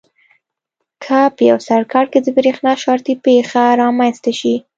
که په یو سرکټ کې د برېښنا شارټي پېښه رامنځته شي.